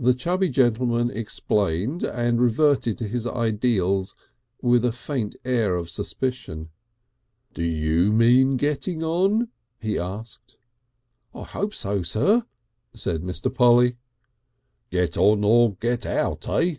The chubby gentleman explained and reverted to his ideals, with a faint air of suspicion. "Do you mean getting on?" he asked. "I hope so, sir," said Mr. Polly. "Get on or get out, eh?"